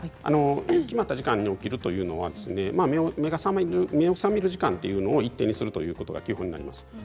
決まった時間に起きるというのは目が覚める時間というのを一定にするというのが基本になります。